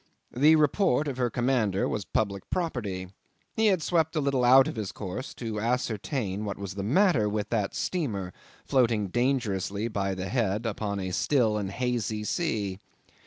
The report of her commander was public property. He had swept a little out of his course to ascertain what was the matter with that steamer floating dangerously by the head upon a still and hazy sea.